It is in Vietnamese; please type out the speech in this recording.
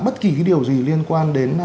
bất kỳ điều gì liên quan đến